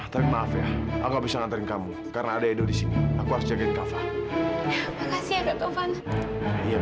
sampai jumpa di video selanjutnya